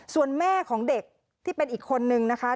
ส่วนแม่ของเด็กที่เป็นอีกคนนึงนะคะ